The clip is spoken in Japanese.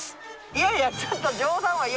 いやいやちょっと。